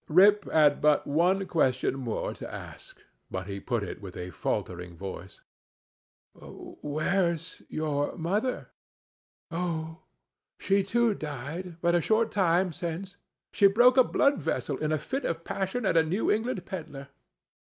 Rip had but one question more to ask; but he put it with a faltering voice: "Where's your mother?" "Oh, she too had died but a short time since; she broke a blood vessel in a fit of passion at a New England peddler."